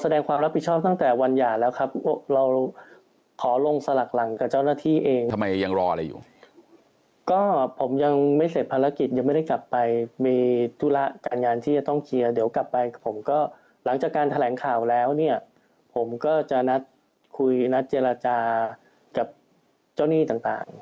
เดี๋ยวกลับไปกับผมก็หลังจากการแถลงข่าวแล้วผมก็จะนัดคุยนัดเจรจากับเจ้าหนี้ต่าง